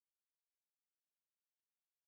Иван, ostrov sv.